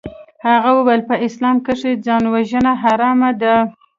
هغه وويل په اسلام کښې ځانوژنه حرامه ده.